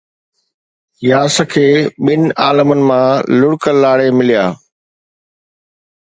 ياس کي ٻن عالمن مان لڙڪ لاڙي مليا